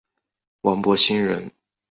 王柏心人。